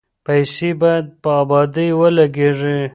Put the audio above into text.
پیسې باید په ابادۍ ولګیږي.